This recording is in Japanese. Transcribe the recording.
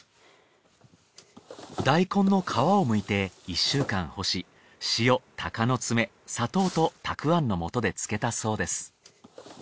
大根の皮をむいて１週間干し塩鷹の爪砂糖とたくあんの素で漬けたそうです。